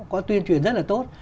có tuyên truyền rất là tốt